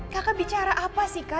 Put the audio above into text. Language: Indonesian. kakak bicara apa sih kak